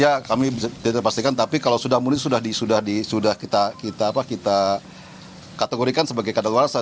ya kalau usia kami sudah pastikan tapi kalau sudah munisi sudah kita kategorikan sebagai kadar luar sana